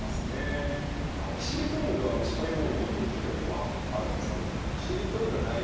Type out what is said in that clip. あのキシリトールが虫歯予防にいいと聞いたことがあるんですけれども。